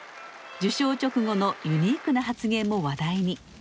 受賞直後のユニークな発言も話題に。